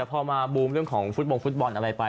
พอมาบูมเรื่องของฟุตบงฟุตบอลอะไรไป